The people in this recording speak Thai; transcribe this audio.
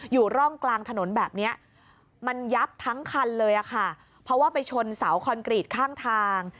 อยู่ร่องกลางถนนแบบเนี้ยมันยับทั้งคันเลยค่ะเพราะว่าไปชนเสาคอนกรีตข้างทาง